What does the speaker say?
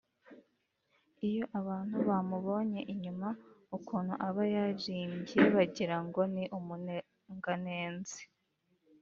iyo abantu bamubonye inyuma ukuntu aba yarimbye bagira ngo ni umunenganenzi